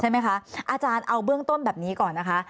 อาจารย์เอาเบื้องต้นแบบนี้ก่อนนะคะ